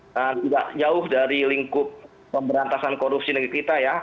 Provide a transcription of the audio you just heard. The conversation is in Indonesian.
tidak jauh dari lingkup pemberantasan korupsi negeri kita ya